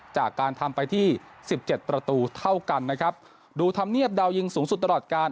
จากการทำไปที่สิบเจ็ดประตูเท่ากันนะครับดูธรรมเนียบดาวยิงสูงสุดตลอดการ